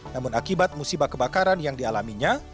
namun akibat musibah kebakaran yang dialaminya